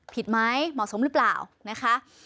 ผิดไหมเหมาะสมหรือเปล่านะคะ